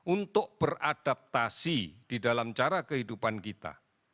untuk beradaptasi di dalam cara kehidupan kita